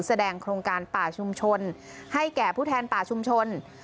แสดงโครงการป่าชุมชนให้แก่ผู้แทนป่าชุมชน